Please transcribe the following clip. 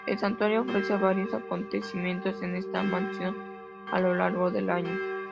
El santuario ofrece varios acontecimientos en esta mansión a lo largo del año.